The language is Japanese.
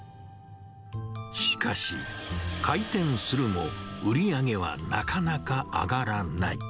しかし、開店するも売り上げはなかなか上がらない。